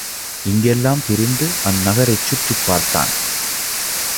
இங்கெல்லாம் திரிந்து அந் நகரைச் சுற்றிப் பார்த்தான்.